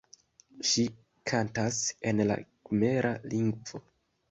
Ŝi kantas en la kmera lingvo.